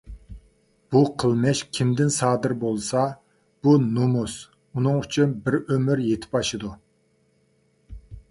بۇ قىلمىش كىمدىن سادىر بولسا بۇ نومۇس ئۇنىڭ ئۈچۈن بىر ئۆمۈر يېتىپ ئاشىدۇ.